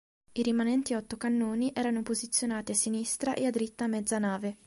I rimanenti otto cannoni erano posizionati a sinistra e a dritta a mezza nave.